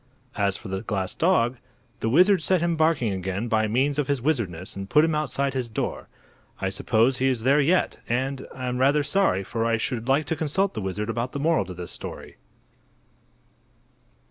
As for the glass dog, the wizard set him barking again by means of his wizardness and put him outside his door. I suppose he is there yet, and am rather sorry, for I should like to consult the wizard about the moral to this story.